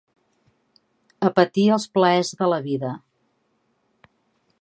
Apetir els plaers de la vida.